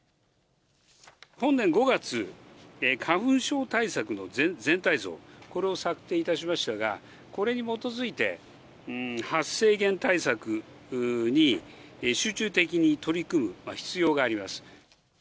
本年５月、花粉症対策の全体像、これを策定いたしましたが、これに基づいて、発生源対策に集中的に取り組む必要があります。